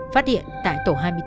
phát hiện tại tổ hai mươi bốn